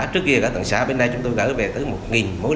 trước kia là tận xã bây giờ chúng tôi gửi về tới một năm trăm linh thô